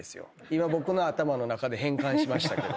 今僕の頭の中で変換しましたけど。